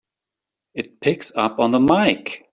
It picks up on the mike!